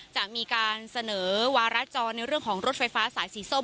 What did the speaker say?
จะมีการเสนอวาระจรในเรื่องของรถไฟฟ้าสายสีส้ม